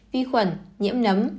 vi khuẩn nhiễm nấm